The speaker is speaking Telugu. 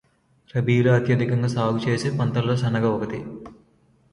రబీలో అత్యధికంగా సాగు చేసే పంటల్లో శనగ ఒక్కటి.